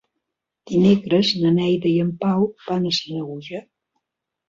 Dimecres na Neida i en Pau van a Sanaüja.